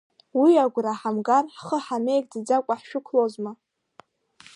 Уи агәра ҳамгар ҳхы ҳамеигӡаӡакәа ҳшәықәлозма?